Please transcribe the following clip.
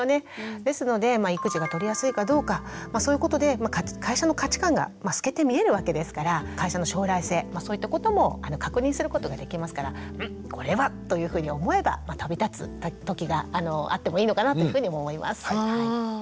ですので育児が取りやすいかどうかそういうことで会社の価値観が透けて見えるわけですから会社の将来性そういったことも確認することができますからんこれは？というふうに思えば旅立つ時があってもいいのかなというふうにも思います。